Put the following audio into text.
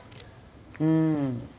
うん。